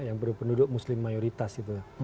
yang berpenduduk muslim mayoritas itu